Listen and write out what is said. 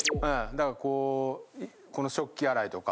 だからこうこの食器洗いとか。